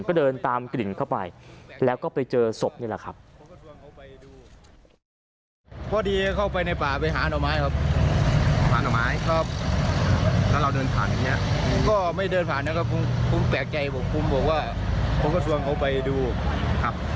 ก็ไม่เดินผ่านแล้วก็คุณคุณแปลกใจบอกคุณบอกว่าเขาก็สวงเขาไปดูครับ